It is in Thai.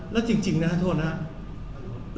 แล้วจริงนะฮะโทษนะฮะ